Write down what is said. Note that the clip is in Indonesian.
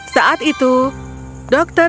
saat itu dr mechanic datang